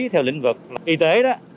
theo lĩnh vực y tế